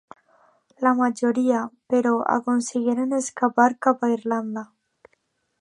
La majoria, però, aconseguiren escapar cap a Irlanda.